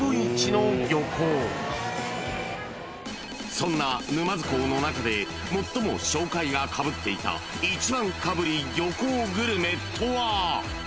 ［そんな沼津港の中で最も紹介がかぶっていた１番かぶり漁港グルメとは？］